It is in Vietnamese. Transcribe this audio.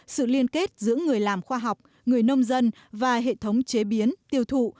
sự liên kết giữa người làm khoa học người nông dân và hệ thống chế biến tiêu thụ